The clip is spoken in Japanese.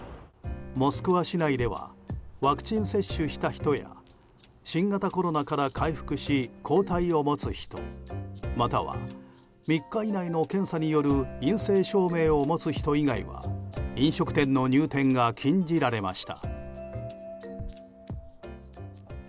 モスクワ市内ではワクチン接種した人や新型コロナから回復し抗体を持つ人または３日以内の検査による陰性証明を持つ人以外は飲食店の入店が禁じられました。